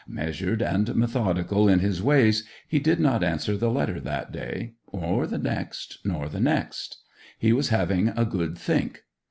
Measured and methodical in his ways, he did not answer the letter that day, nor the next, nor the next. He was having 'a good think.